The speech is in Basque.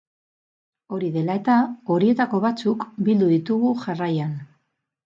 Hori dela eta, horietako batzuk bildu ditugu jarraian.